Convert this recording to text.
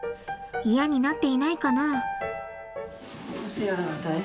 嫌になっていないかな？